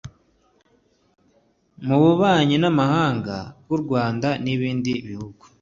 Mu bubanyi n’amahanga bw’u Rwanda n’ibindi bihugu